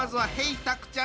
たくちゃん。